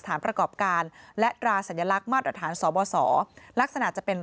ประกอบการและตราสัญลักษณ์มาตรฐานสบสลักษณะจะเป็น